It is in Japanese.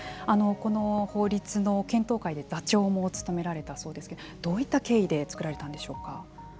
この法律の検討会で座長も務められたそうですけどどういった経緯で作られたんでしょうか。